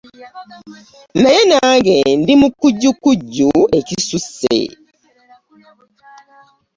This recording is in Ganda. Naye nange ndi mukujjukujju ekisusse.